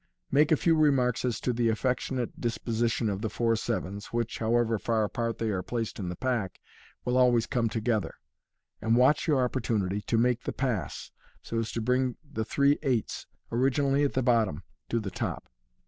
Make a few remarks as to the affectionate disposition of the four sevens, which, however far apart they are placed in the pack, will always come together; and watch your opportunity to make the pass, so as to bring the three eights, originally at the bottom, to the top.